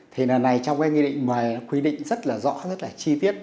thì lần này trong cái nghị định mà quy định rất là rõ rất là chi tiết